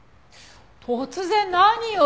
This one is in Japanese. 突然何よ？